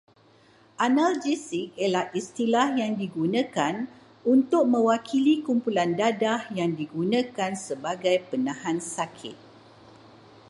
Analgesik ialah istilah yang digunakan untuk mewakili kumpulan dadah yang digunakan sebagai penahan sakit